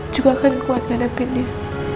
juga akan kuat ngadepin dia